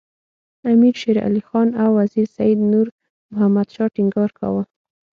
امیر شېر علي خان او وزیر سید نور محمد شاه ټینګار کاوه.